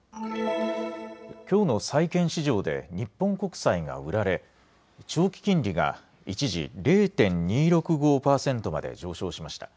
きょうの債券市場で日本国債が売られ長期金利が一時、０．２６５％まで上昇しました。